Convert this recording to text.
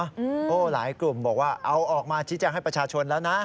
โอ้โหหลายกลุ่มบอกว่าเอาออกมาชี้แจงให้ประชาชนแล้วนะ